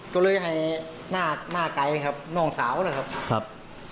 ก็เลยให้หน้าหน้าไกลครับน่องเสานะครับครับ